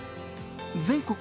全国